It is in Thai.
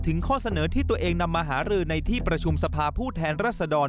ข้อเสนอที่ตัวเองนำมาหารือในที่ประชุมสภาผู้แทนรัศดร